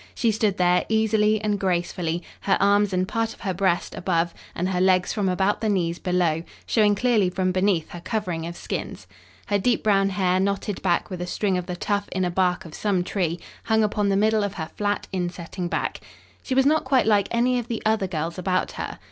She stood there, easily and gracefully, her arms and part of her breast, above, and her legs from about the knees, below, showing clearly from beneath her covering of skins. Her deep brown hair, knotted back with a string of the tough inner bark of some tree, hung upon the middle of her flat, in setting back. She was not quite like any of the other girls about her.